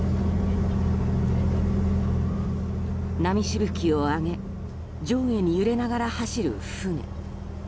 波しぶきを上げ上下に揺れながら走る船。